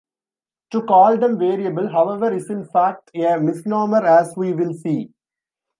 To call them "variable", however, is in fact a misnomer, as we will see.